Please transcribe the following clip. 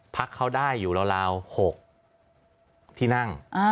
พักเขาได้อยู่ราว๖ที่นั่ง